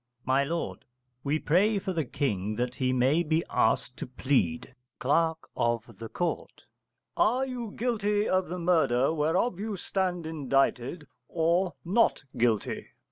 My lord, we pray for the King that he may be asked to plead. Cl. of Ct. Are you guilty of the murder whereof you stand indicted, or not guilty?